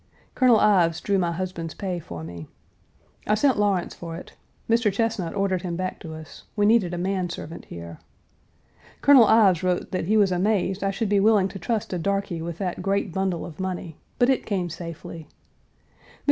Colonel Ives drew my husband's pay for me. I sent Lawrence for it (Mr. Chesnut ordered him back to us; we needed a man servant here). Colonel Ives wrote that he was amazed I should be willing to trust a darky with that great bundle of money, but it came safely. Mr.